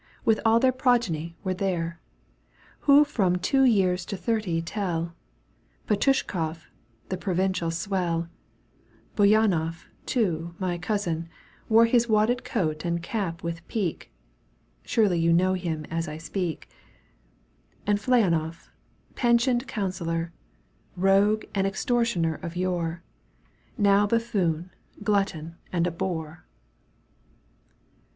With all their progeny were there, IVbo from two years to thirty tell ; Pet6ushkoflf, the provincial swell ; Bouyknofif too, my cousin, wore ^ His wadded coat and cap with peak ^Surely you know him as I speak) ;\ And FliSmoff, pensioned councillor, Eogue and extortioner of yore, Now buffoon, glutton, and a bore.